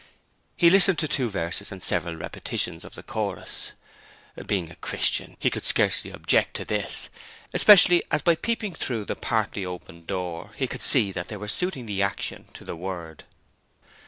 He listened to two verses and several repetitions of the chorus. Being a 'Christian', he could scarcely object to this, especially as by peeping through the partly open door he could see that they were suiting the action to the word.